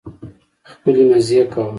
خپلې مزې کوه